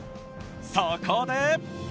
そこで